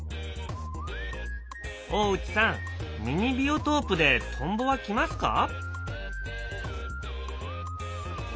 大内さんミニビオトープでトンボは来ますか？